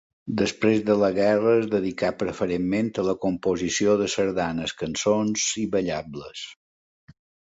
Després de la guerra es dedicà preferentment a la composició de sardanes, cançons i ballables.